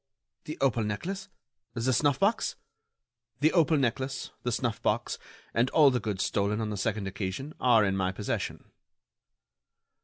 "The opal necklace? The snuff box?" "The opal necklace, the snuff box, and all the goods stolen on the second occasion are in my possession."